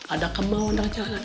ada kemauan ada jalan